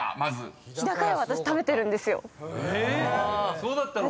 そうだったの？